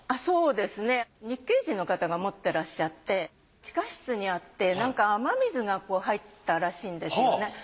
そうですね日系人の方が持ってらっしゃって地下室にあって雨水が入ったらしいんですよね。